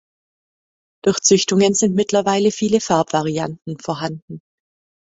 Durch Züchtungen sind mittlerweile viele Farbvarianten vorhanden.